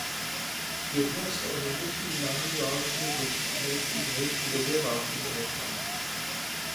Jednalo se o největší známý válečný zločin amerických vojsk v době války ve Vietnamu.